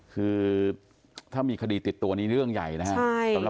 คือถ้ามีคดีติดตัวนี้เรื่องใหญ่นะครับ